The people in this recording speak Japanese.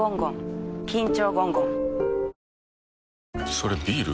それビール？